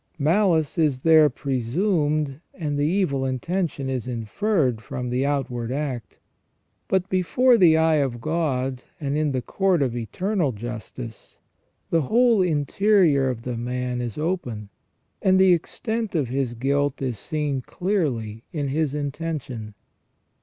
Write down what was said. Malice is there presumed and the evil intention is inferred from the outward act. But before the eye of God and in the court of eternal justice, the whole interior of the man is open, and the extent of his guilt is seen clearly in his intention.